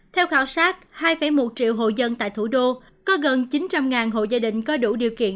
theo khảo sát hai một triệu hộ dân tại thủ đô có gần chín trăm linh hộ gia đình có đủ điều kiện